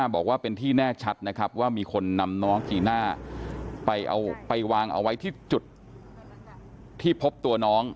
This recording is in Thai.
บอกว่าเป็นที่แน่ชัดนะครับว่ามีคนนำน้องจีน่าไปเอาไปวางเอาไว้ที่จุดที่พบตัวน้อง